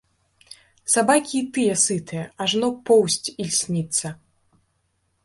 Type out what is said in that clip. Сабакі і тыя сытыя, ажно поўсць ільсніцца.